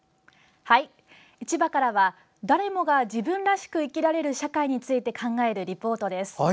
千葉からは誰もが自分らしく生きられる社会について考えるリポートです。